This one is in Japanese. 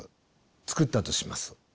作ったとします。